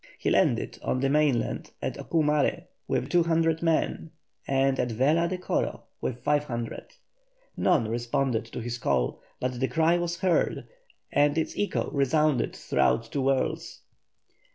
He landed on the mainland at Ocumare with two hundred men, and at Vela de Coro with five hundred. None responded to his call, but the cry was heard, and its echo resounded through two worlds.